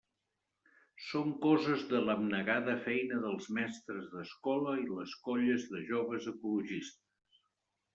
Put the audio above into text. Són coses de l'abnegada feina dels mestres d'escola i les colles de joves ecologistes.